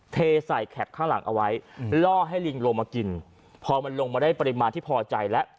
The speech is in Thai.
เทใส่แคปข้างหลังเอาไว้ล่อให้ลิงลงมากินพอมันลงมาได้ปริมาณที่พอใจแล้ว